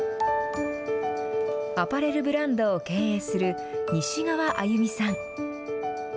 アパレルブランドを経営する西側愛弓さん。